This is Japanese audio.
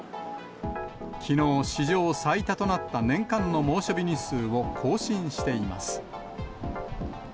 きのう、史上最多となった年間の猛暑日日数を更新しています。